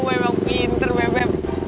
kamu emang pinter bebe